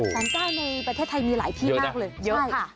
สารเจ้าในประเทศไทยมีหลายที่มากเลย